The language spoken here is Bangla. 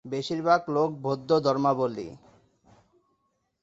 বেশিরভাগ লোক বৌদ্ধ ধর্মাবলম্বী।